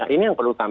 ini yang perlu